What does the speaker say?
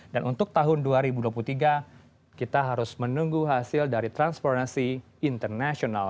dan untuk tahun dua ribu dua puluh tiga kita harus menunggu hasil dari transparency international